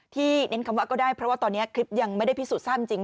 เน้นคำว่าก็ได้เพราะว่าตอนนี้คลิปยังไม่ได้พิสูจนทราบจริง